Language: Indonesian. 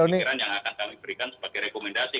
pemikiran yang akan kami berikan sebagai rekomendasi